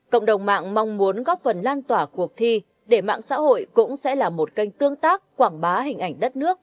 cộng đồng mạng mong muốn góp phần lan tỏa cuộc thi để mạng xã hội cũng sẽ là một kênh tương tác quảng bá hình ảnh đất nước